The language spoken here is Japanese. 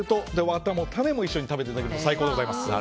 ワタも種も一緒に食べていただくと最高でございます。